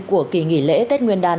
của kỳ nghỉ lễ tết nguyên đán